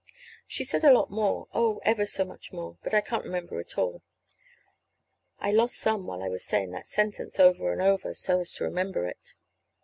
She said a lot more oh, ever so much more; but I can't remember it all. (I lost some while I was saying that sentence over and over, so as to remember it.)